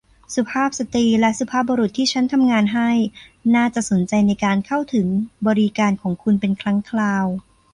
สุภาพสตรีและสุภาพบุรุษที่ฉันทำงานให้ น่าจะสนใจในการเข้าถึงบริการของคุณเป็นครั้งคราว